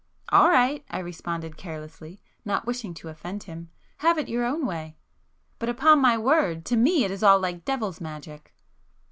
"All right!" I responded carelessly, not wishing to offend him,—"Have it your own way! But, upon my word, to me it is all like devil's magic!"